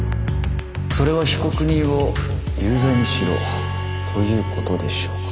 それは被告人を有罪にしろということでしょうか？